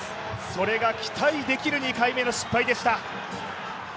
それが期待できる２回目の失敗でした。